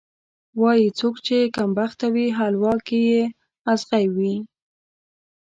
وایي: څوک چې کمبخته وي، حلوا کې یې ازغی وي.